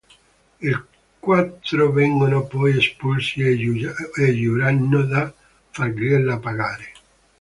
I quattro vengono poi espulsi e giurano di fargliela pagare.